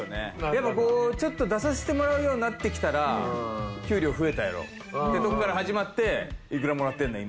でもこうちょっと出させてもらうようになってきたら「給料増えたやろ？」ってとこから始まって「いくらもらってんねん？